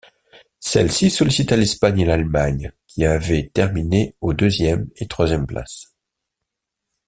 Celle-ci sollicita l'Espagne et l'Allemagne, qui avaient terminé aux deuxième et troisième places.